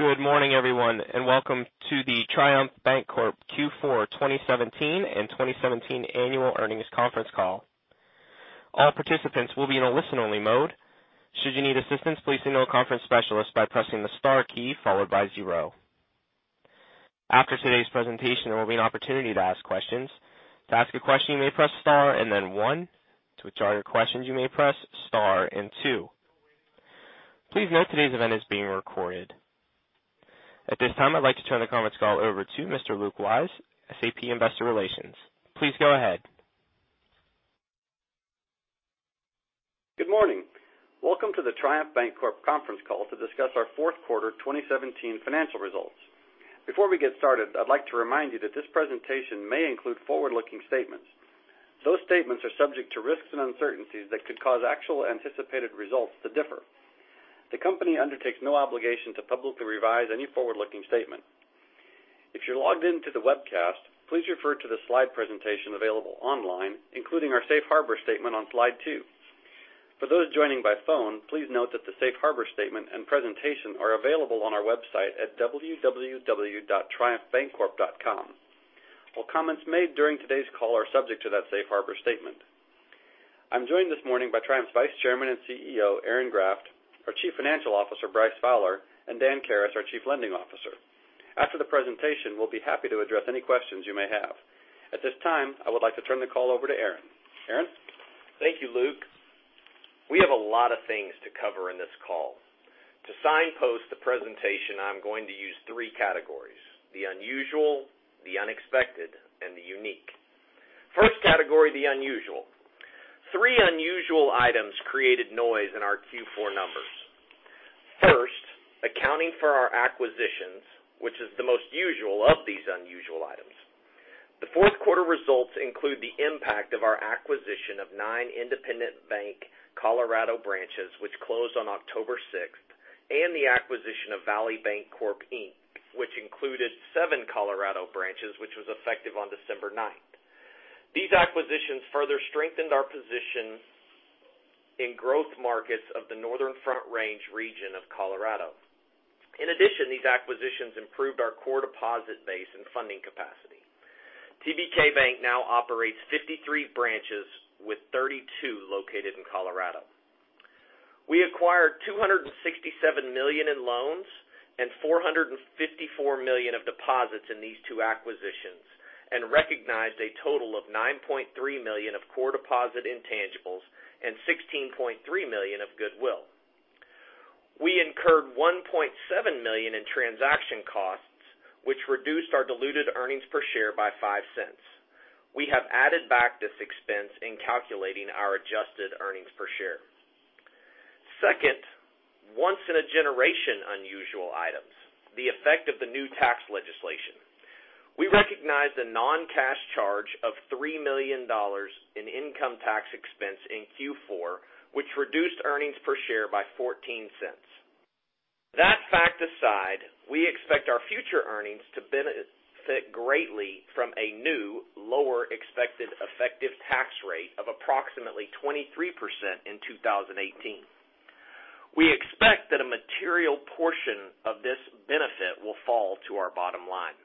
Good morning, everyone, and welcome to the Triumph Bancorp Q4 2017 and 2017 annual earnings conference call. All participants will be in a listen-only mode. Should you need assistance, please signal a conference specialist by pressing the star key followed by zero. After today's presentation, there will be an opportunity to ask questions. To ask a question, you may press star and then one. To withdraw your questions, you may press star and two. Please note, today's event is being recorded. At this time, I'd like to turn the conference call over to Mr. Luke Wyse, SVP Investor Relations. Please go ahead. Good morning. Welcome to the Triumph Bancorp conference call to discuss our fourth quarter 2017 financial results. Before we get started, I'd like to remind you that this presentation may include forward-looking statements. Those statements are subject to risks and uncertainties that could cause actual anticipated results to differ. The company undertakes no obligation to publicly revise any forward-looking statement. If you're logged in to the webcast, please refer to the slide presentation available online, including our safe harbor statement on slide two. For those joining by phone, please note that the safe harbor statement and presentation are available on our website at www.triumphbancorp.com. All comments made during today's call are subject to that safe harbor statement. I'm joined this morning by Triumph's Vice Chairman and CEO, Aaron Graft, our Chief Financial Officer, Bryce Fowler, and Dan Karas, our Chief Lending Officer. After the presentation, we'll be happy to address any questions you may have. At this time, I would like to turn the call over to Aaron. Aaron? Thank you, Luke. We have a lot of things to cover in this call. To signpost the presentation, I'm going to use three categories: the unusual, the unexpected, and the unique. First category, the unusual. Three unusual items created noise in our Q4 numbers. First, accounting for our acquisitions, which is the most usual of these unusual items. The fourth quarter results include the impact of our acquisition of nine Independent Bank Colorado branches, which closed on October 6th, and the acquisition of Valley Bancorp, Inc., which included seven Colorado branches, which was effective on December 9th. These acquisitions further strengthened our position in growth markets of the Northern Front Range region of Colorado. In addition, these acquisitions improved our core deposit base and funding capacity. TBK Bank now operates 53 branches with 32 located in Colorado. We acquired $267 million in loans and $454 million of deposits in these two acquisitions and recognized a total of $9.3 million of core deposit intangibles and $16.3 million of goodwill. We incurred $1.7 million in transaction costs, which reduced our diluted earnings per share by $0.05. We have added back this expense in calculating our adjusted earnings per share. Second, once-in-a-generation unusual items, the effect of the new tax legislation. We recognized a non-cash charge of $3 million in income tax expense in Q4, which reduced earnings per share by $0.14. That fact aside, we expect our future earnings to benefit greatly from a new lower expected effective tax rate of approximately 23% in 2018. We expect that a material portion of this benefit will fall to our bottom line.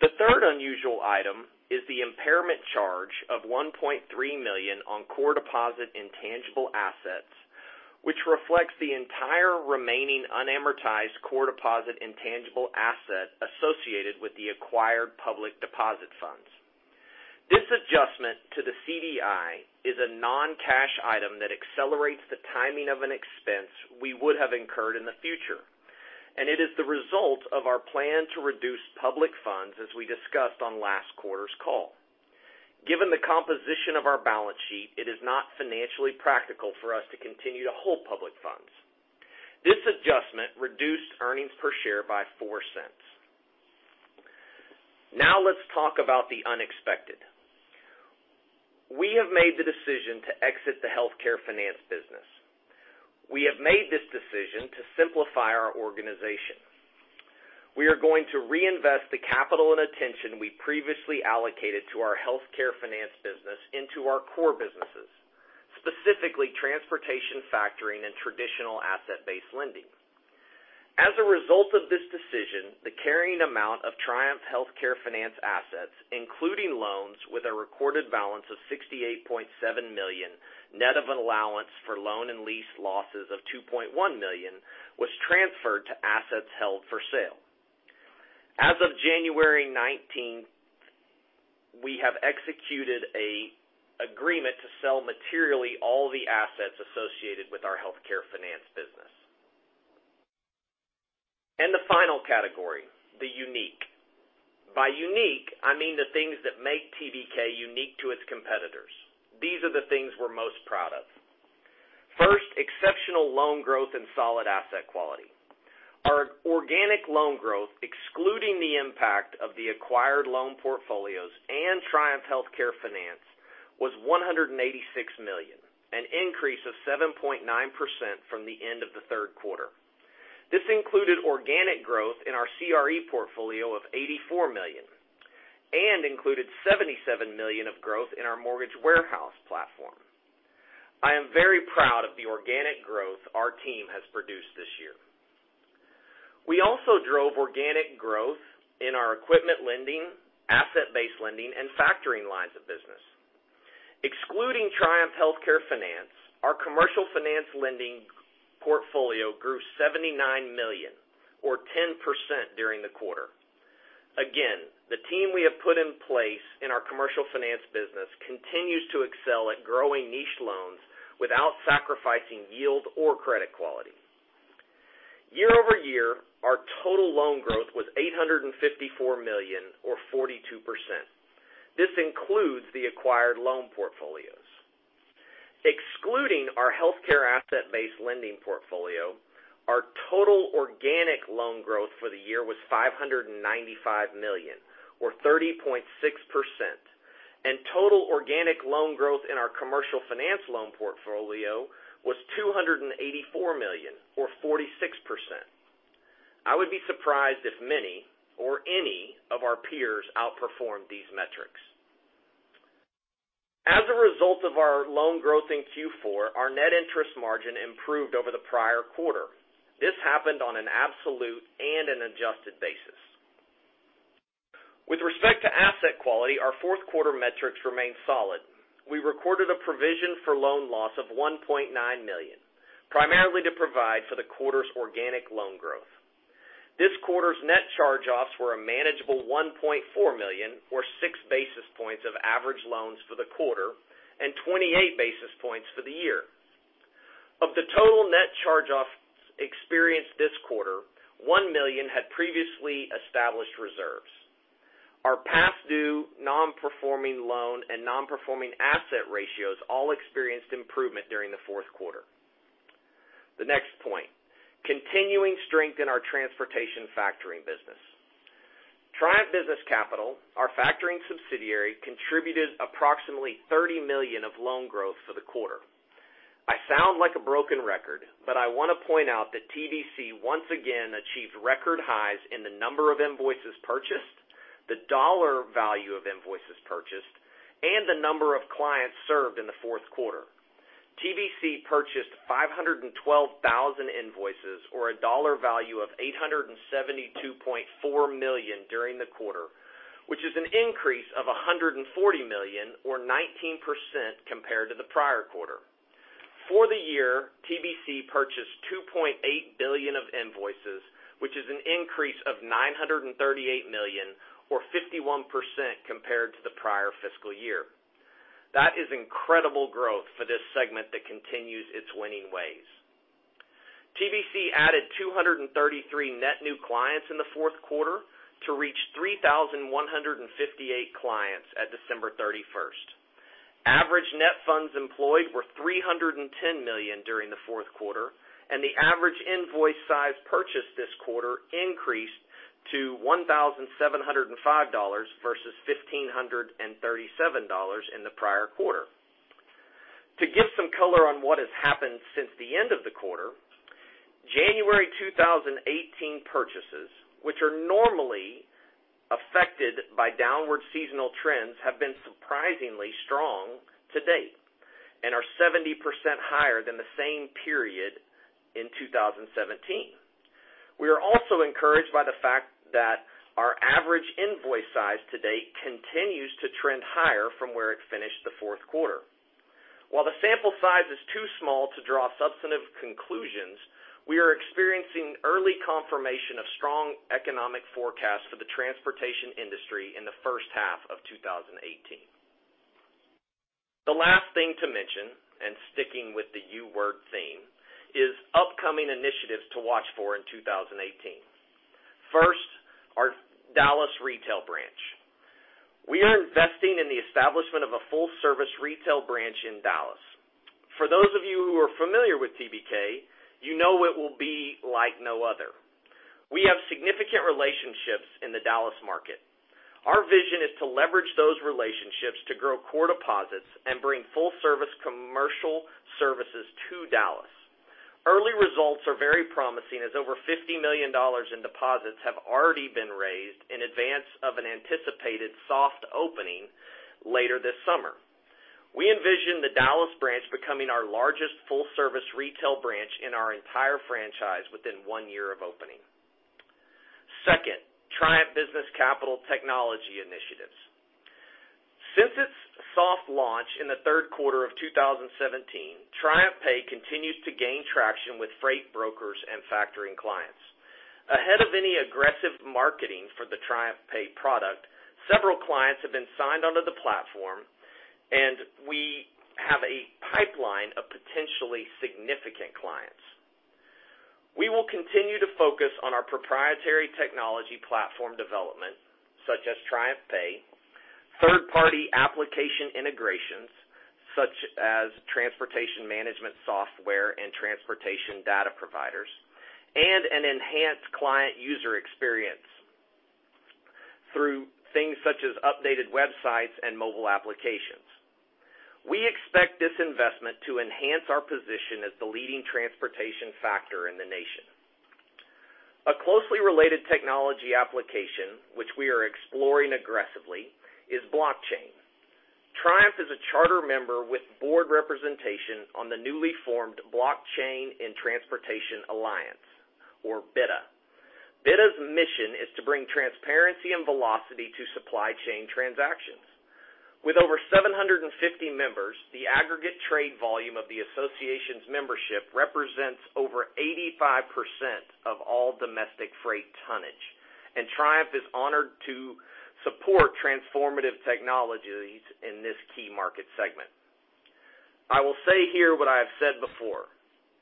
The third unusual item is the impairment charge of $1.3 million on core deposit intangible assets, which reflects the entire remaining unamortized core deposit intangible asset associated with the acquired public deposit funds. This adjustment to the CDI is a non-cash item that accelerates the timing of an expense we would have incurred in the future, and it is the result of our plan to reduce public funds as we discussed on last quarter's call. Given the composition of our balance sheet, it is not financially practical for us to continue to hold public funds. This adjustment reduced earnings per share by $0.04. Let's talk about the unexpected. We have made the decision to exit the healthcare finance business. We have made this decision to simplify our organization. We are going to reinvest the capital and attention we previously allocated to our healthcare finance business into our core businesses, specifically transportation factoring and traditional asset-based lending. As a result of this decision, the carrying amount of Triumph Healthcare Finance assets, including loans with a recorded balance of $68.7 million, net of an allowance for loan and lease losses of $2.1 million, was transferred to assets held for sale. As of January 19th, we have executed an agreement to sell materially all the assets associated with our healthcare finance business. The final category, the unique. By unique, I mean the things that make TBK unique to its competitors. These are the things we're most proud of. First, exceptional loan growth and solid asset quality. Our organic loan growth, excluding the impact of the acquired loan portfolios and Triumph Healthcare Finance, was $186 million, an increase of 7.9% from the end of the third quarter. This included organic growth in our CRE portfolio of $84 million. Included $77 million of growth in our mortgage warehouse platform. I am very proud of the organic growth our team has produced this year. We also drove organic growth in our equipment lending, asset-based lending, and factoring lines of business. Excluding Triumph Healthcare Finance, our commercial finance lending portfolio grew $79 million or 10% during the quarter. The team we have put in place in our commercial finance business continues to excel at growing niche loans without sacrificing yield or credit quality. Year-over-year, our total loan growth was $854 million or 42%. This includes the acquired loan portfolios. Excluding our healthcare asset-based lending portfolio, our total organic loan growth for the year was $595 million or 30.6%, and total organic loan growth in our commercial finance loan portfolio was $284 million or 46%. I would be surprised if many or any of our peers outperformed these metrics. As a result of our loan growth in Q4, our net interest margin improved over the prior quarter. This happened on an absolute and an adjusted basis. With respect to asset quality, our fourth quarter metrics remained solid. We recorded a provision for loan loss of $1.9 million, primarily to provide for the quarter's organic loan growth. This quarter's net charge-offs were a manageable $1.4 million, or six basis points of average loans for the quarter and 28 basis points for the year. Of the total net charge-offs experienced this quarter, $1 million had previously established reserves. Our past due non-performing loan and non-performing asset ratios all experienced improvement during the fourth quarter. The next point, continuing strength in our transportation factoring business. Triumph Business Capital, our factoring subsidiary, contributed approximately $30 million of loan growth for the quarter. I sound like a broken record, but I want to point out that TBC once again achieved record highs in the number of invoices purchased, the dollar value of invoices purchased, and the number of clients served in the fourth quarter. TBC purchased 512,000 invoices, or a dollar value of $872.4 million during the quarter, which is an increase of $140 million or 19% compared to the prior quarter. For the year, TBC purchased $2.8 billion of invoices, which is an increase of $938 million or 51% compared to the prior fiscal year. That is incredible growth for this segment that continues its winning ways. TBC added 233 net new clients in the fourth quarter to reach 3,158 clients at December 31st. Average net funds employed were $310 million during the fourth quarter, and the average invoice size purchase this quarter increased to $1,705 versus $1,537 in the prior quarter. To give some color on what has happened since the end of the quarter, January 2018 purchases, which are normally affected by downward seasonal trends, have been surprisingly strong to date and are 70% higher than the same period in 2017. We are also encouraged by the fact that our average invoice size to date continues to trend higher from where it finished the fourth quarter. While the sample size is too small to draw substantive conclusions, we are experiencing early confirmation of strong economic forecasts for the transportation industry in the first half of 2018. The last thing to mention, sticking with the U word theme, is upcoming initiatives to watch for in 2018. First, our Dallas retail branch. We are investing in the establishment of a full-service retail branch in Dallas. For those of you who are familiar with TBK, you know it will be like no other. We have significant relationships in the Dallas market. Our vision is to leverage those relationships to grow core deposits and bring full service commercial services to Dallas. Early results are very promising, as over $50 million in deposits have already been raised in advance of an anticipated soft opening later this summer. We envision the Dallas branch becoming our largest full-service retail branch in our entire franchise within one year of opening. Second, Triumph Business Capital technology initiatives. Since its soft launch in the third quarter of 2017, TriumphPay continues to gain traction with freight brokers and factoring clients. Ahead of any aggressive marketing for the TriumphPay product, several clients have been signed onto the platform, and we have a pipeline of potentially significant clients. We will continue to focus on our proprietary technology platform development, such as TriumphPay, third-party application integrations, such as transportation management software and transportation data providers, and an enhanced client user experience through things such as updated websites and mobile applications. We expect this investment to enhance our position as the leading transportation factor in the nation. A closely related technology application, which we are exploring aggressively, is blockchain. Triumph is a charter member with board representation on the newly formed Blockchain in Transport Alliance, or BiTA. BiTA's mission is to bring transparency and velocity to supply chain transactions. With over 750 members, the aggregate trade volume of the association's membership represents over 85% of all domestic freight tonnage, and Triumph is honored to support transformative technologies in this key market segment. I will say here what I have said before.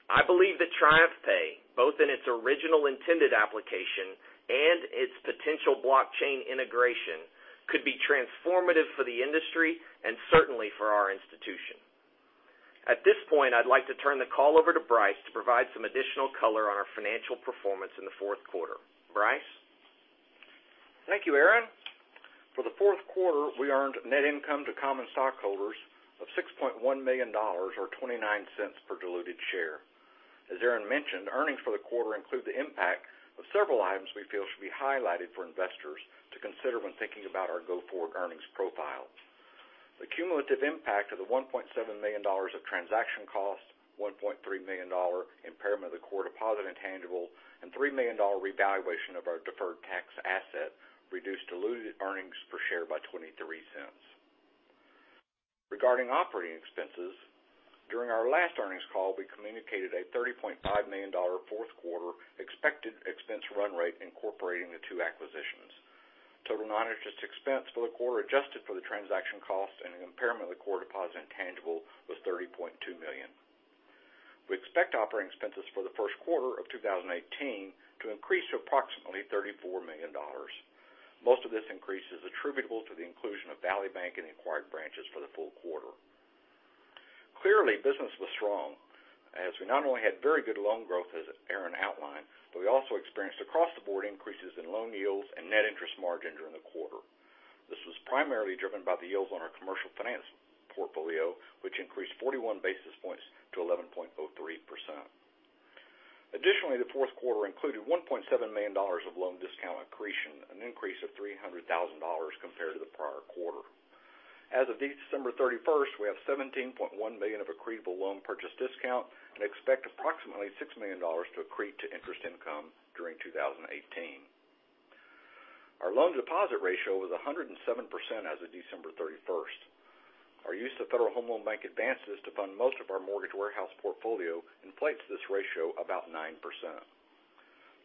I believe that TriumphPay, both in its original intended application and its potential blockchain integration, could be transformative for the industry and certainly for our institution. At this point, I'd like to turn the call over to Bryce to provide some additional color on our financial performance in the fourth quarter. Bryce? Thank you, Aaron. For the fourth quarter, we earned net income to common stockholders of $6.1 million, or $0.29 per diluted share. As Aaron mentioned, earnings for the quarter include the impact of several items we feel should be highlighted for investors to consider when thinking about our go-forward earnings profile. The cumulative impact of the $1.7 million of transaction costs, $1.3 million impairment of the core deposit intangible, and $3 million revaluation of our deferred tax asset reduced diluted earnings per share by $0.23. Regarding operating expenses, during our last earnings call, we communicated a $30.5 million fourth quarter expected expense run rate incorporating the two acquisitions. Total non-interest expense for the quarter adjusted for the transaction cost and an impairment of the core deposit intangible was $30.2 million. We expect operating expenses for the first quarter of 2018 to increase to approximately $34 million. Most of this increase is attributable to the inclusion of Valley Bank and the acquired branches for the full quarter. Clearly, business was strong as we not only had very good loan growth, as Aaron outlined, but we also experienced across-the-board increases in loan yields and net interest margin during the quarter. This was primarily driven by the yields on our commercial finance portfolio, which increased 41 basis points to 11.03%. Additionally, the fourth quarter included $1.7 million of loan discount accretion, an increase of $300,000 compared to the prior quarter. As of December 31st, we have $17.1 million of accretable loan purchase discount and expect approximately $6 million to accrete to interest income during 2018. Our loan deposit ratio was 107% as of December 31st. Our use of Federal Home Loan Bank advances to fund most of our mortgage warehouse portfolio inflates this ratio about 9%.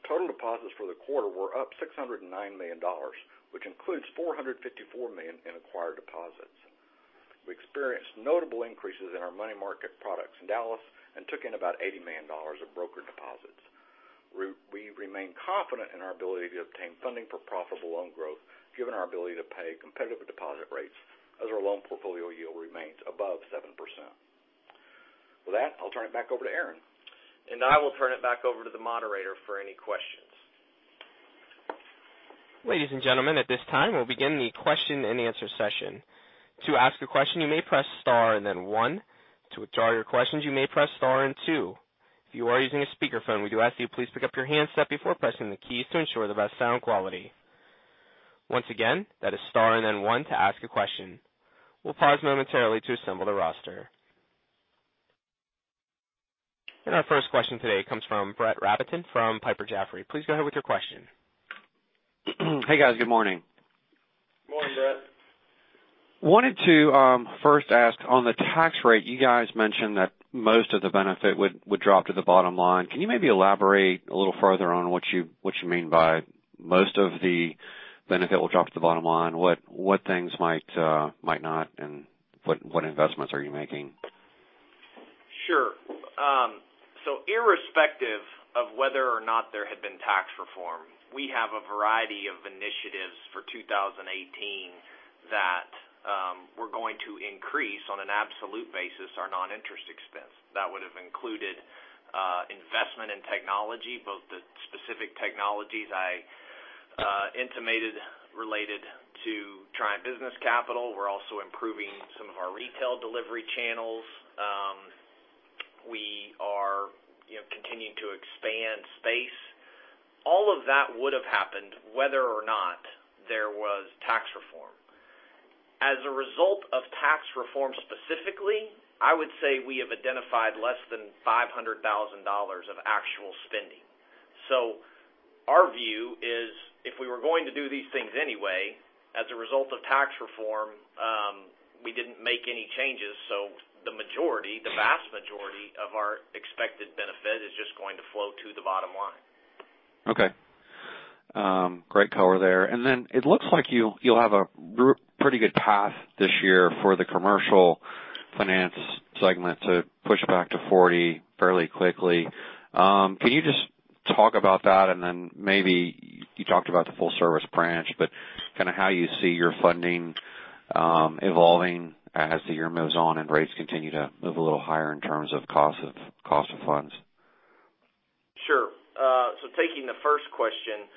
Total deposits for the quarter were up $609 million, which includes $454 million in acquired deposits. We experienced notable increases in our money market products in Dallas and took in about $80 million of broker deposits. We remain confident in our ability to obtain funding for profitable loan growth, given our ability to pay competitive deposit rates as our loan portfolio yield remains above 7%. With that, I'll turn it back over to Aaron. I will turn it back over to the moderator for any questions. Ladies and gentlemen, at this time, we'll begin the question and answer session. To ask a question, you may press star and then one. To withdraw your questions, you may press star and two. If you are using a speakerphone, we do ask you to please pick up your handset before pressing the keys to ensure the best sound quality. Once again, that is star and then one to ask a question. We'll pause momentarily to assemble the roster. Our first question today comes from Brett Rabatin from Piper Jaffray. Please go ahead with your question. Hey, guys. Good morning. Morning, Brett. Wanted to first ask, on the tax rate, you guys mentioned that most of the benefit would drop to the bottom line. Can you maybe elaborate a little further on what you mean by most of the benefit will drop to the bottom line? What things might not, and what investments are you making? Sure. Irrespective of whether or not there had been tax reform, we have a variety of initiatives for 2018 that were going to increase, on an absolute basis, our non-interest expense. That would've included investment in technology, both the specific technologies I intimated related to Triumph Business Capital. We're also improving some of our retail delivery channels. We are continuing to expand space. All of that would've happened whether or not there was tax reform. As a result of tax reform specifically, I would say we have identified less than $500,000 of actual spending. Our view is, if we were going to do these things anyway, as a result of tax reform, we didn't make any changes, the majority, the vast majority of our expected benefit is just going to flow to the bottom line. Okay. Great color there. It looks like you'll have a pretty good path this year for the commercial finance segment to push back to 40 fairly quickly. Can you just talk about that? Maybe, you talked about the full-service branch, but kind of how you see your funding evolving as the year moves on and rates continue to move a little higher in terms of cost of funds. Taking the first question.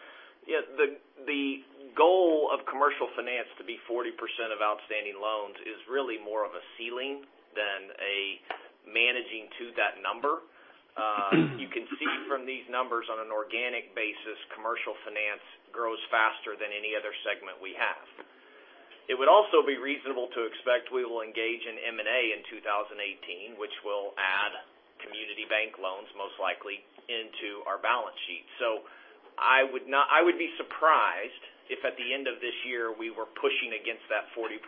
The goal of commercial finance to be 40% of outstanding loans is really more of a ceiling than a managing to that number. You can see from these numbers on an organic basis, commercial finance grows faster than any other segment we have. It would also be reasonable to expect we will engage in M&A in 2018, which will add community bank loans, most likely into our balance sheet. I would be surprised if at the end of this year, we were pushing against that 40%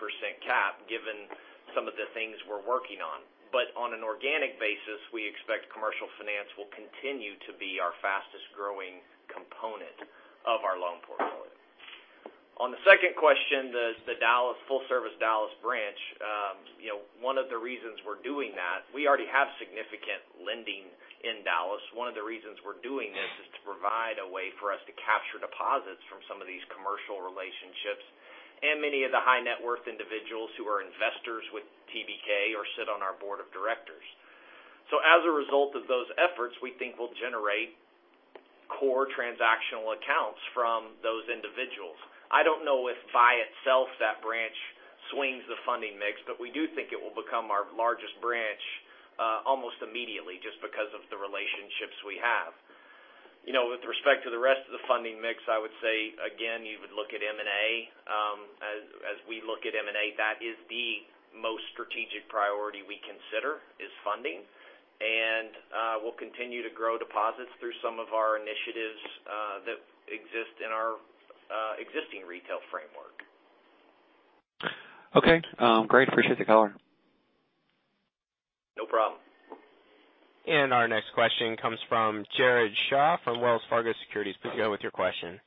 cap given some of the things we're working on. On an organic basis, we expect commercial finance will continue to be our fastest-growing component of our loan portfolio. On the second question, the full-service Dallas branch. One of the reasons we're doing that, we already have significant lending in Dallas. One of the reasons we're doing this is to provide a way for us to capture deposits from some of these commercial relationships and many of the high net worth individuals who are investors with TBK or sit on our board of directors. As a result of those efforts, we think we'll generate core transactional accounts from those individuals. I don't know if by itself that branch swings the funding mix, but we do think it will become our largest branch almost immediately just because of the relationships we have. With respect to the rest of the funding mix, I would say, again, you would look at M&A. As we look at M&A, that is the most strategic priority we consider is funding, and we'll continue to grow deposits through some of our initiatives that exist in our existing retail framework. Okay. Great. Appreciate the color. No problem. Our next question comes from Jared Shaw from Wells Fargo Securities. Please go ahead with your question.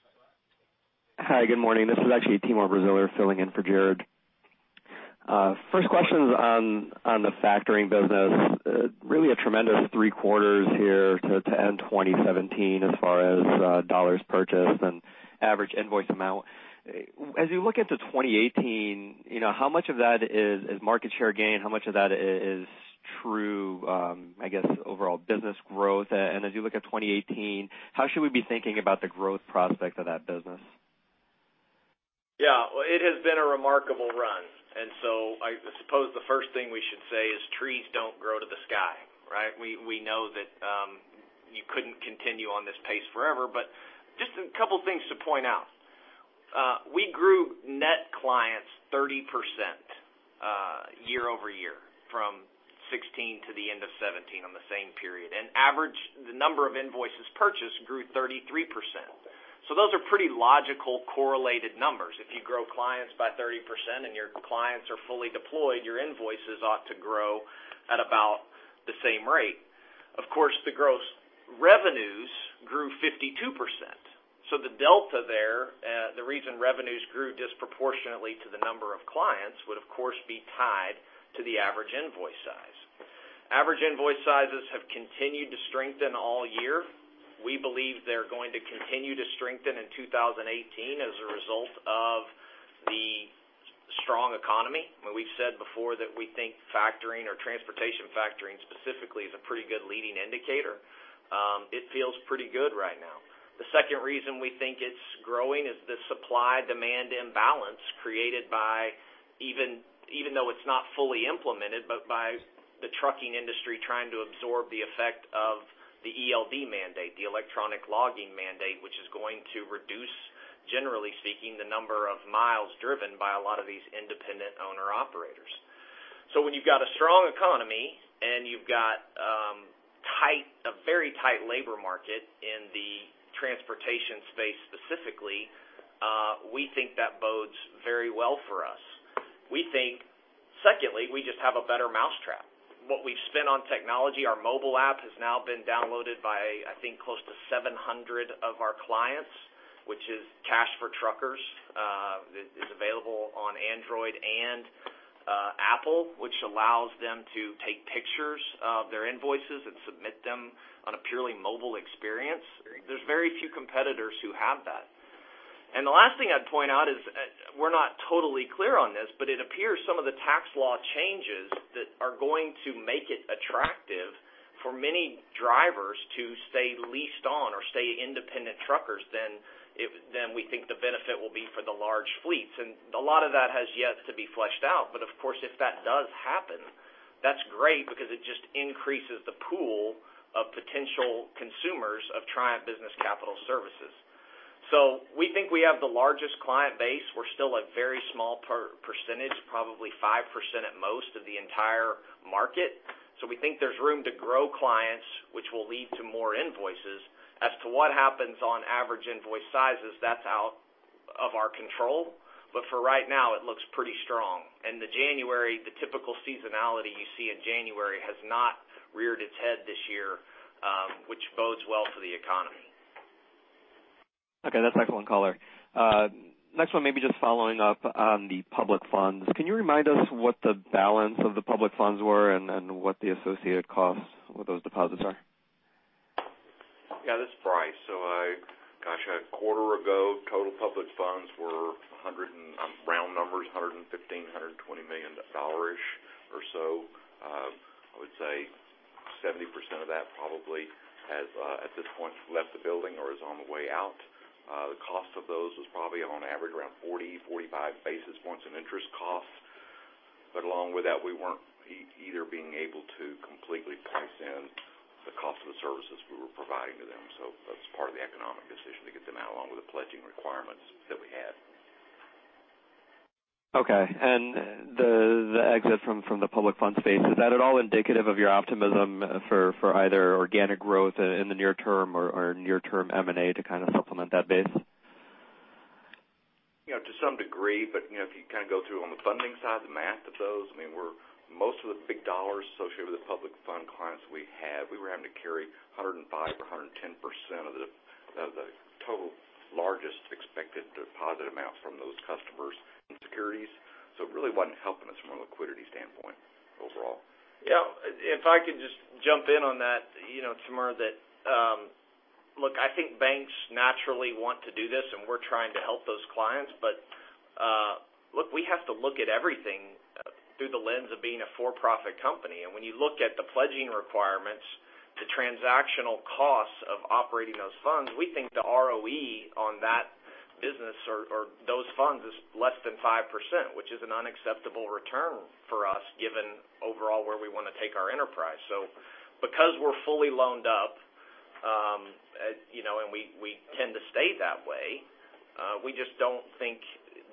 Hi, good morning. This is actually Timur Braziler filling in for Jared. First question's on the factoring business. Really a tremendous three quarters here to end 2017 as far as dollars purchased and average invoice amount. As you look into 2018, how much of that is market share gain? How much of that is true, I guess, overall business growth? As you look at 2018, how should we be thinking about the growth prospect of that business? Yeah. It has been a remarkable run. I suppose the first thing we should say is trees don't grow to the sky, right? We know that you couldn't continue on this pace forever, but just a couple things to point out. We grew net clients 30% year-over-year from 2016 to the end of 2017 on the same period. Average, the number of invoices purchased grew 33%. Those are pretty logical correlated numbers. If you grow clients by 30% and your clients are fully deployed, your invoices ought to grow at about the same rate. Of course, the gross revenues grew 52%. The delta there, the reason revenues grew disproportionately to the number of clients would of course be tied to the average invoice size. Average invoice sizes have continued to strengthen all year. We believe they're going to continue to strengthen in 2018 as a result of the strong economy. We've said before that we think factoring or transportation factoring specifically is a pretty good leading indicator. It feels pretty good right now. The second reason we think it's growing is the supply-demand imbalance created by, even though it's not fully implemented, but by the trucking industry trying to absorb the effect of the ELD mandate, the electronic logging mandate, which is going to reduce, generally speaking, the number of miles driven by a lot of these independent owner-operators. When you've got a strong economy and you've got a very tight labor market in the transportation space specifically, we think that bodes very well for us. We think secondly, we just have a better mousetrap. What we've spent on technology, our mobile app has now been downloaded by, I think, close to 700 of our clients, which is Cash for Truckers. It's available on Android and Apple, which allows them to take pictures of their invoices and submit them on a purely mobile experience. There's very few competitors who have that. The last thing I'd point out is we're not totally clear on this, but it appears some of the tax law changes that are going to make it attractive for many drivers to stay leased on or stay independent truckers than we think the benefit will be for the large fleets. A lot of that has yet to be fleshed out. Of course, if that does happen, that's great because it just increases the pool of potential consumers of Triumph Business Capital Services. We think we have the largest client base. We're still a very small percentage, probably 5% at most of the entire market. We think there's room to grow clients, which will lead to more invoices. As to what happens on average invoice sizes, that's out of our control. For right now, it looks pretty strong. The January, the typical seasonality you see in January has not reared its head this year, which bodes well for the economy. Okay. That's excellent color. Next one, maybe just following up on the public funds. Can you remind us what the balance of the public funds were and what the associated costs of those deposits are? Yeah, this is Bryce. Gosh, a quarter ago, total public funds were, round numbers, $115 million-$120 million or so, I would say. 70% of that probably has, at this point, left the building or is on the way out. The cost of those was probably on average around 40, 45 basis points in interest costs. Along with that, we weren't either being able to completely price in the cost of the services we were providing to them. That's part of the economic decision to get them out along with the pledging requirements that we had. Okay. The exit from the public fund space, is that at all indicative of your optimism for either organic growth in the near term or near term M&A to kind of supplement that base? To some degree, if you go through on the funding side, the math of those, most of the big dollars associated with the public fund clients we have, we were having to carry 105% or 110% of the total largest expected deposit amount from those customers in securities. It really wasn't helping us from a liquidity standpoint overall. Yeah. If I could just jump in on that, Timur Braziler, that, look, I think banks naturally want to do this, and we're trying to help those clients. Look, we have to look at everything through the lens of being a for-profit company. When you look at the pledging requirements, the transactional costs of operating those funds, we think the ROE on that business or those funds is less than 5%, which is an unacceptable return for us, given overall where we want to take our enterprise. Because we're fully loaned up, and we tend to stay that way, we just don't think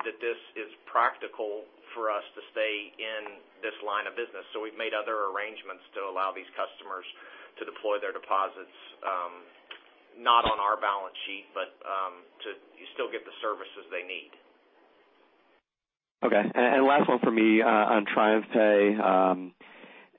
that this is practical for us to stay in this line of business. We've made other arrangements to allow these customers to deploy their deposits, not on our balance sheet, but to still get the services they need. Okay. Last one from me on TriumphPay.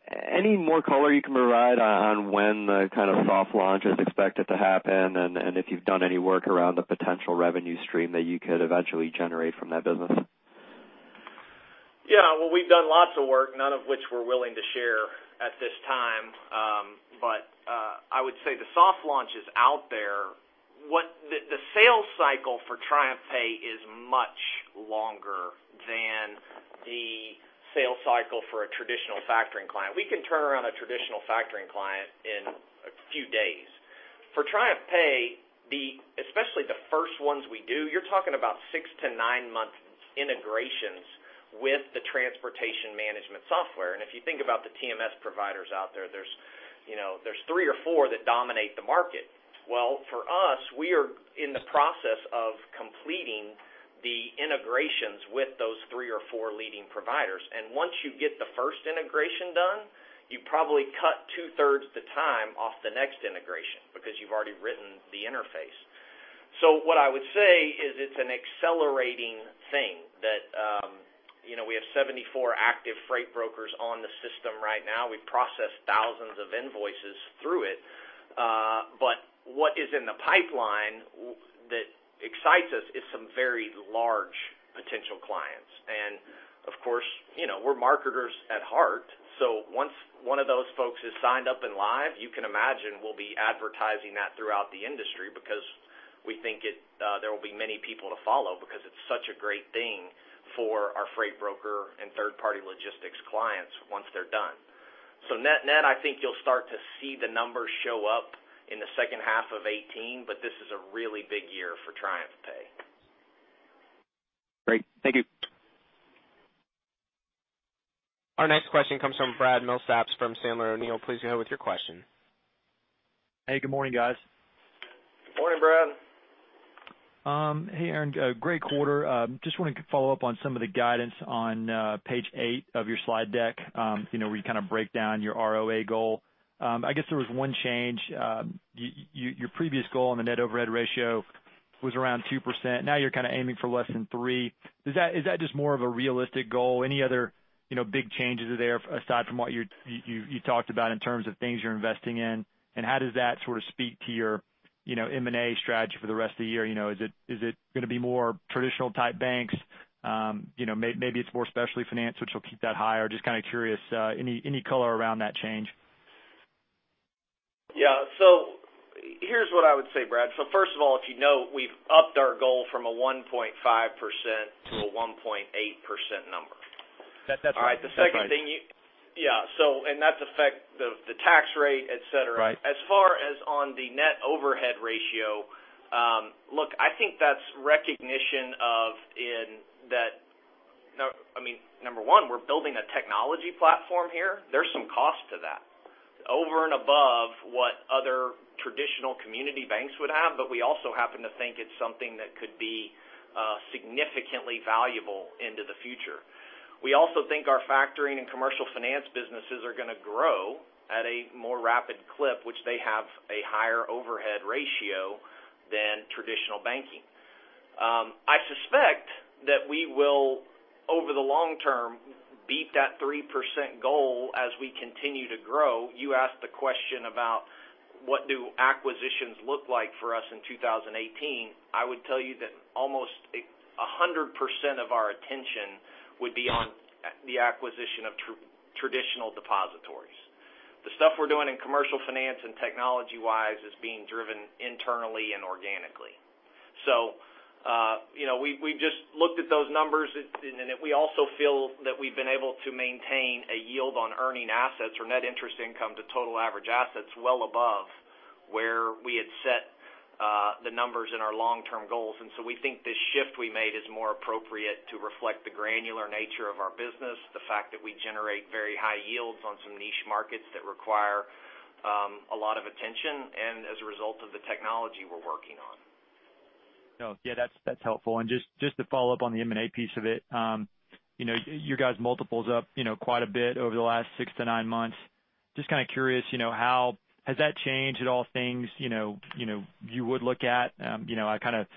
Any more color you can provide on when the kind of soft launch is expected to happen, and if you've done any work around the potential revenue stream that you could eventually generate from that business? Well, we've done lots of work, none of which we're willing to share at this time. I would say the soft launch is out there. The sales cycle for TriumphPay is much longer than the sales cycle for a traditional factoring client. We can turn around a traditional factoring client in a few days. For TriumphPay, especially the first ones we do, you're talking about 6 to 9 months integrations with the transportation management software. If you think about the TMS providers out there's 3 or 4 that dominate the market. Well, for us, we are in the process of completing the integrations with those 3 or 4 leading providers. Once you get the first integration done, you probably cut two-thirds the time off the next integration because you've already written the interface. What I would say is it's an accelerating thing that we have 74 active freight brokers on the system right now. We process thousands of invoices through it. What is in the pipeline that excites us is some very large potential clients. Of course, we're marketers at heart. Once one of those folks is signed up and live, you can imagine we'll be advertising that throughout the industry because we think there will be many people to follow because it's such a great thing for our freight broker and third-party logistics clients once they're done. Net, I think you'll start to see the numbers show up in the second half of 2018, this is a really big year for TriumphPay. Great. Thank you. Our next question comes from Brad Milsaps from Sandler O'Neill. Please go ahead with your question. Hey, good morning, guys. Good morning, Brad. Hey, Aaron, great quarter. Just wanted to follow up on some of the guidance on page eight of your slide deck where you kind of break down your ROA goal. I guess there was one change. Your previous goal on the net overhead ratio was around 2%. Now you're kind of aiming for less than 3%. Is that just more of a realistic goal? Any other big changes are there aside from what you talked about in terms of things you're investing in, and how does that sort of speak to your M&A strategy for the rest of the year? Is it going to be more traditional type banks? Maybe it's more specialty finance, which will keep that higher. Just kind of curious, any color around that change? Yeah. Here's what I would say, Brad. First of all, if you know, we've upped our goal from a 1.5% to a 1.8% number. That's right. The second thing. That's affect the tax rate, et cetera. Right. As far as on the net overhead ratio, I think that's recognition of I mean, number one, we're building a technology platform here. There's some cost to that over and above what other traditional community banks would have. We also happen to think it's something that could be significantly valuable into the future. We also think our factoring and commercial finance businesses are going to grow at a more rapid clip, which they have a higher overhead ratio than traditional banking. I suspect that we will, over the long term, beat that 3% goal as we continue to grow. You asked the question about what do acquisitions look like for us in 2018. I would tell you that almost 100% of our attention would be on the acquisition of traditional depositories. The stuff we're doing in commercial finance and technology-wise is being driven internally and organically. We just looked at those numbers. We also feel that we've been able to maintain a yield on earning assets or net interest income to total average assets well above where we had set the numbers in our long-term goals. We think this shift we made is more appropriate to reflect the granular nature of our business, the fact that we generate very high yields on some niche markets that require a lot of attention, and as a result of the technology we're working on. No. Yeah, that's helpful. Just to follow up on the M&A piece of it. Your guys' multiples up quite a bit over the last 6 to 9 months. Just kind of curious, has that changed at all things you would look at? I kind of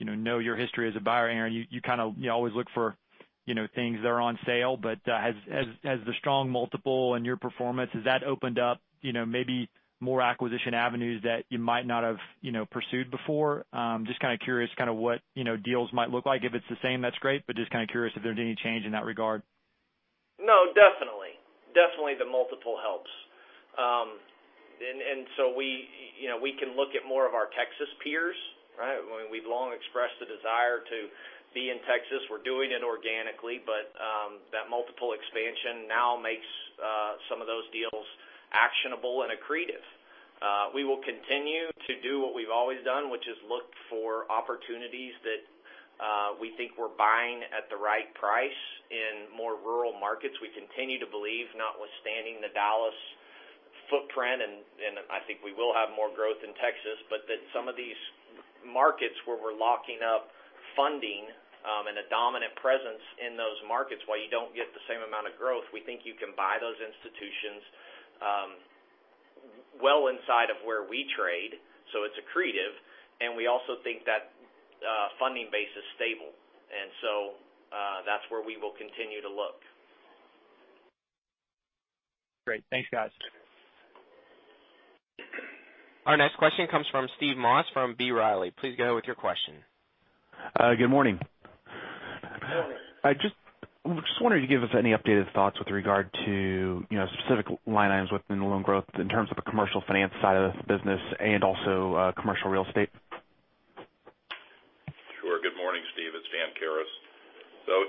know your history as a buyer, Aaron, you kind of always look for things that are on sale, has the strong multiple and your performance, has that opened up maybe more acquisition avenues that you might not have pursued before? Just kind of curious kind of what deals might look like. If it's the same, that's great, just kind of curious if there's any change in that regard. No, definitely. Definitely the multiple helps. We can look at more of our Texas peers, right? I mean, we've long expressed the desire to be in Texas. We're doing it organically, that multiple expansion now makes some of those deals actionable and accretive. We will continue to do what we've always done, which is look for opportunities that we think we're buying at the right price in more rural markets. We continue to believe, notwithstanding the Dallas footprint, I think we will have more growth in Texas, that some of these markets where we're locking up funding and a dominant presence in those markets, while you don't get the same amount of growth, we think you can buy those institutions well inside of where we trade. It's accretive, we also think that funding base is stable. That's where we will continue to look. Great. Thanks, guys. Our next question comes from Steve Moss, from B. Riley. Please go with your question. Good morning. Morning. I just wondered if you could give us any updated thoughts with regard to specific line items within the loan growth in terms of the commercial finance side of the business and also commercial real estate. Sure. Good morning, Steve. It's Dan Karas.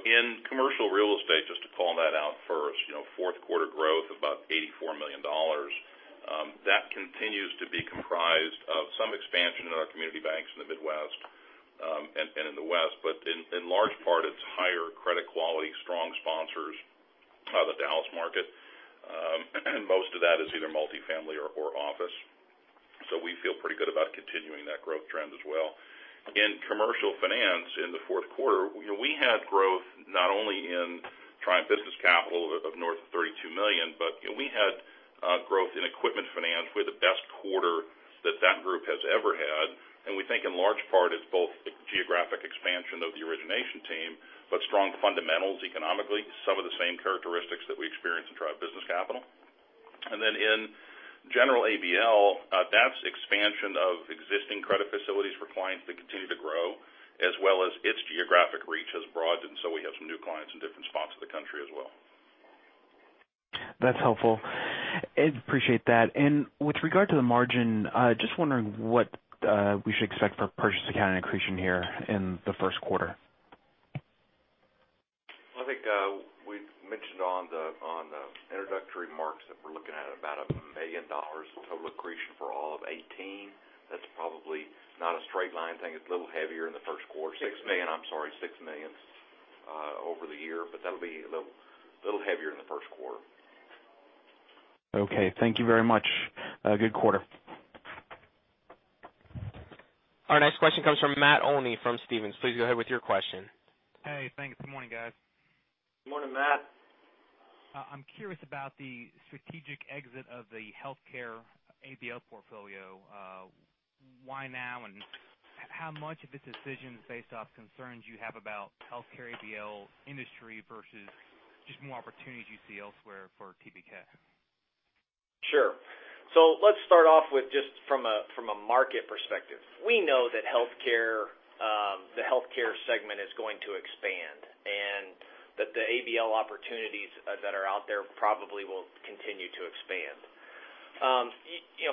In commercial real estate, just to call that out first, fourth quarter growth, about $84 million. That continues to be comprised of some expansion in our community banks in the Midwest, and in the West. In large part, it's higher credit quality, strong sponsors out of the Dallas market. Most of that is either multi-family or office. We feel pretty good about continuing that growth trend as well. In commercial finance in the fourth quarter, we had growth not only in Triumph Business Capital of north of $32 million, but we had growth in equipment finance. We had the best quarter that that group has ever had, and we think in large part it's both geographic expansion of the origination team, but strong fundamentals economically, some of the same characteristics that we experienced in Triumph Business Capital. In general ABL, that's expansion of existing credit facilities for clients that continue to grow as well as its geographic reach has broadened, we have some new clients in different spots of the country as well. That's helpful. Appreciate that. With regard to the margin, just wondering what we should expect for purchased accounting accretion here in the first quarter. I think we mentioned on the introductory remarks that we're looking at about $1 million total accretion for all of 2018. That's probably not a straight line thing. It's a little heavier in the first quarter. $6 million, I'm sorry. $6 million over the year, that'll be a little heavier in the first quarter. Thank you very much. Good quarter. Our next question comes from Matt Olney from Stephens. Please go ahead with your question. Hey, thanks. Good morning, guys. Morning, Matt. I'm curious about the strategic exit of the healthcare ABL portfolio. Why now, and how much of the decision is based off concerns you have about healthcare ABL industry versus just more opportunities you see elsewhere for TBK? Sure. Let's start off with just from a market perspective. We know that the healthcare segment is going to expand and that the ABL opportunities that are out there probably will continue to expand.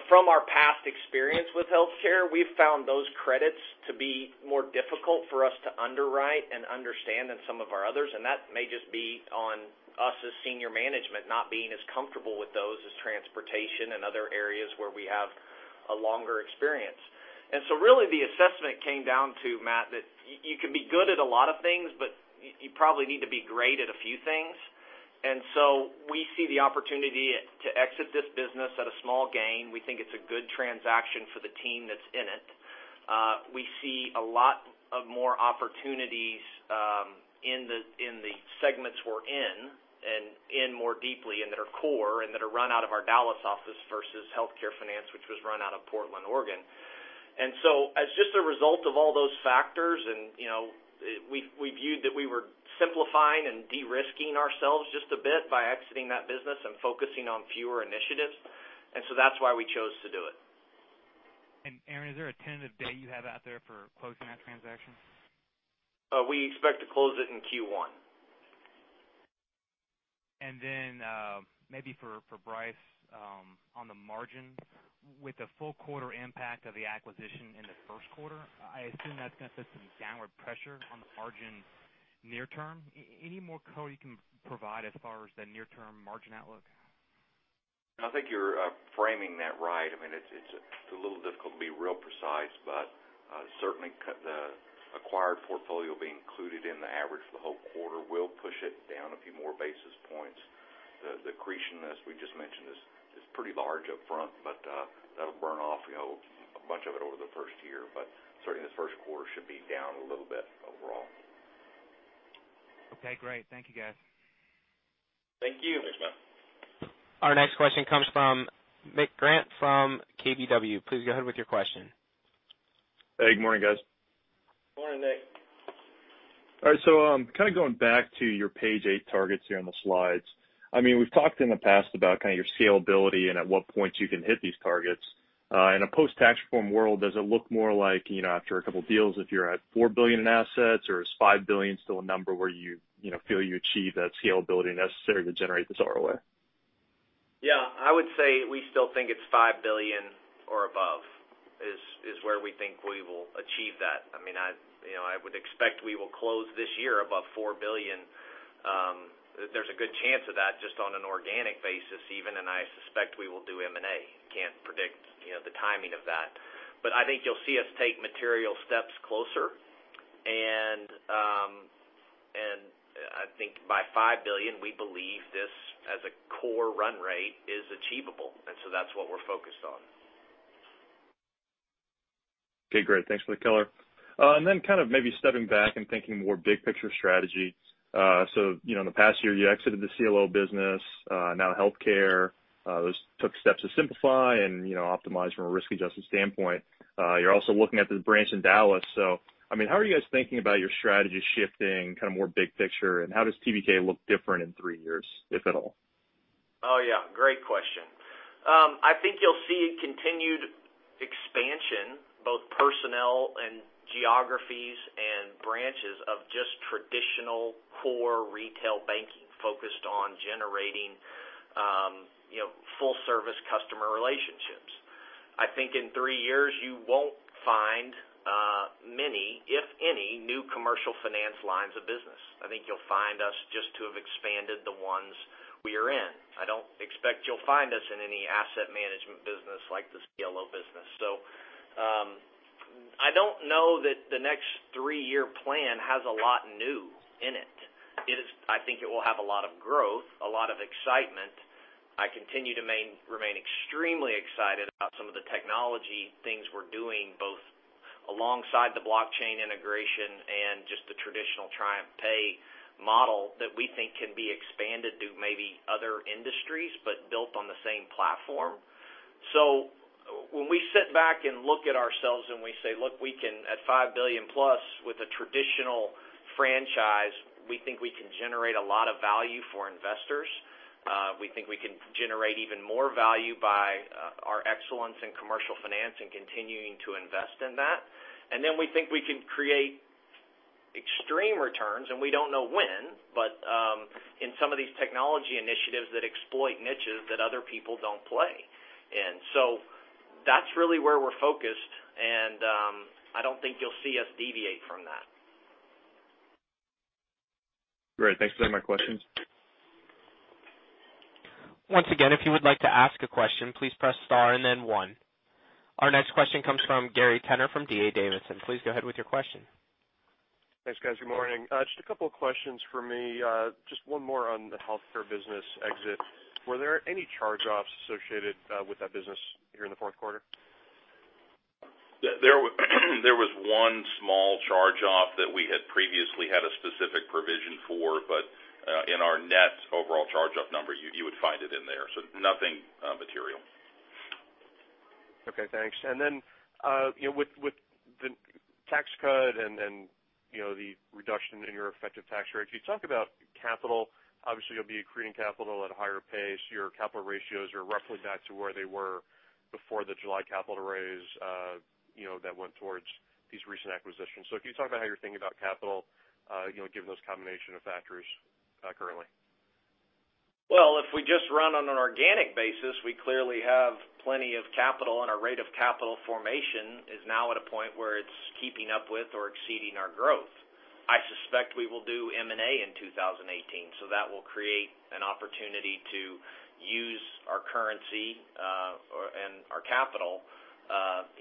From our past experience with healthcare, we've found those credits to be more difficult for us to underwrite and understand than some of our others, and that may just be on us as senior management not being as comfortable with those as transportation and other areas where we have a longer experience. Really the assessment came down to, Matt, that you can be good at a lot of things, but you probably need to be great at a few things. We see the opportunity to exit this business at a small gain. We think it's a good transaction for the team that's in it. We see a lot of more opportunities in the segments we're in and in more deeply and that are core and that are run out of our Dallas office versus healthcare finance, which was run out of Portland, Oregon. As just a result of all those factors, we viewed that we were simplifying and de-risking ourselves just a bit by exiting that business and focusing on fewer initiatives. That's why we chose to do it. Aaron, is there a tentative date you have out there for closing that transaction? We expect to close it in Q1. For Bryce, on the margin. With the full quarter impact of the acquisition in the first quarter, I assume that's going to put some downward pressure on the margin near term. Any more color you can provide as far as the near-term margin outlook? I think you're framing that right. It's a little difficult to be real precise, but certainly, the acquired portfolio being included in the average for the whole quarter will push it down a few more basis points. The accretion, as we just mentioned, is pretty large upfront, but that'll burn off a bunch of it over the first year. Certainly, this first quarter should be down a little bit overall. Okay, great. Thank you, guys. Thank you. Thanks, Matt. Our next question comes from RJ Grant from KBW. Please go ahead with your question. Hey, good morning, guys. Morning, RJ. All right. Kind of going back to your page eight targets here on the slides. We've talked in the past about kind of your scalability and at what point you can hit these targets. In a post-tax reform world, does it look more like, after a couple deals, if you're at $4 billion in assets or is $5 billion still a number where you feel you achieve that scalability necessary to generate this ROA? Yeah, I would say we still think it's $5 billion or above, is where we think we will achieve that. I would expect we will close this year above $4 billion. There's a good chance of that just on an organic basis even, I suspect we will do M&A. Can't predict the timing of that. I think you'll see us take material steps closer. I think by $5 billion, we believe this as a core run rate is achievable. That's what we're focused on. Okay, great. Thanks for the color. Kind of maybe stepping back and thinking more big picture strategy. In the past year you exited the CLO business, now health care, took steps to simplify and optimize from a risk-adjusted standpoint. You're also looking at the branch in Dallas. How are you guys thinking about your strategy shifting kind of more big picture, and how does TBK look different in three years, if at all? Oh, yeah. Great question. I think you'll see continued expansion, both personnel and geographies and branches of just traditional core retail banking focused on generating full-service customer relationships. I think in three years you won't find many, if any, new commercial finance lines of business. I think you'll find us just to have expanded the ones we are in. I don't expect you'll find us in any asset management business like the CLO business. I don't know that the next three-year plan has a lot new in it. I think it will have a lot of growth, a lot of excitement. I continue to remain extremely excited about some of the technology things we're doing, both alongside the blockchain integration and just the traditional TriumphPay model that we think can be expanded to maybe other industries, but built on the same platform. When we sit back and look at ourselves and we say, look, we can, at $5 billion plus with a traditional franchise, we think we can generate a lot of value for investors. We think we can generate even more value by our excellence in commercial finance and continuing to invest in that. We think we can create extreme returns, and we don't know when, but in some of these technology initiatives that exploit niches that other people don't play in. That's really where we're focused, and I don't think you'll see us deviate from that. Great. Thanks. Those are my questions. Once again, if you would like to ask a question, please press star and then one. Our next question comes from Gary Tenner from D.A. Davidson. Please go ahead with your question. Thanks, guys. Good morning. Just a couple of questions for me. Just one more on the healthcare business exit. Were there any charge-offs associated with that business here in the fourth quarter? There was one small charge-off that we had previously had a specific provision for, but in our net overall charge-off number, you would find it in there. Nothing material. Okay, thanks. Then, with the tax cut and the reduction in your effective tax rate, could you talk about capital? Obviously, you'll be accreting capital at a higher pace. Your capital ratios are roughly back to where they were before the July capital raise that went towards these recent acquisitions. If you could talk about how you're thinking about capital given those combination of factors currently. Well, if we just run on an organic basis, we clearly have plenty of capital, and our rate of capital formation is now at a point where it's keeping up with or exceeding our growth. I suspect we will do M&A in 2018, so that will create an opportunity to use our currency, and our capital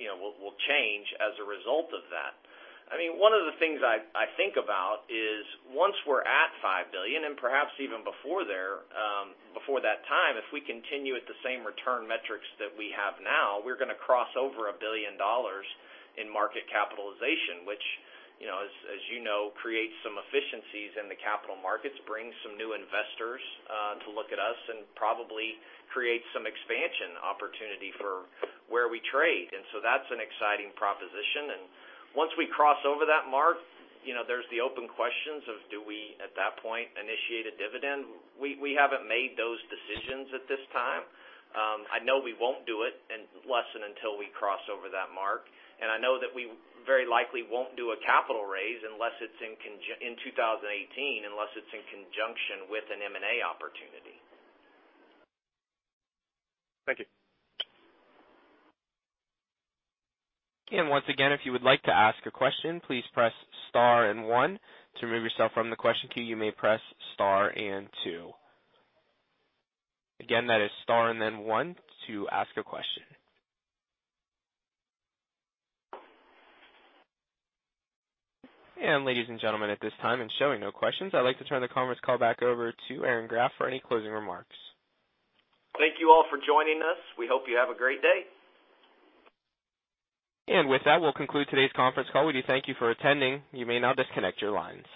will change as a result of that. One of the things I think about is once we're at $5 billion, and perhaps even before that time, if we continue at the same return metrics that we have now, we're going to cross over $1 billion in market capitalization, which as you know, creates some efficiencies in the capital markets, brings some new investors to look at us and probably creates some expansion opportunity for where we trade. So that's an exciting proposition. Once we cross over that mark, there's the open questions of do we, at that point, initiate a dividend? We haven't made those decisions at this time. I know we won't do it unless and until we cross over that mark. I know that we very likely won't do a capital raise in 2018 unless it's in conjunction with an M&A opportunity. Thank you. Once again, if you would like to ask a question, please press star and one. To remove yourself from the question queue, you may press star and two. Again, that is star and then one to ask a question. Ladies and gentlemen, at this time, and showing no questions, I'd like to turn the conference call back over to Aaron Graft for any closing remarks. Thank you all for joining us. We hope you have a great day. With that, we'll conclude today's conference call. We do thank you for attending. You may now disconnect your lines.